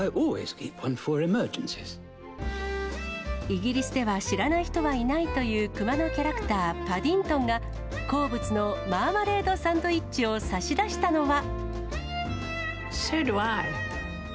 イギリスでは知らない人はいないという熊のキャラクター、パディントンが、好物のマーマレードサンドイッチを差し出したのは。